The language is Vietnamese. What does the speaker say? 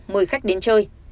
mời khách đến chơi